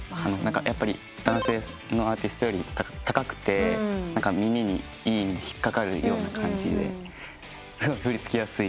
やっぱり男性のアーティストより高くて耳にいい意味で引っ掛かるような感じで振り付けやすい。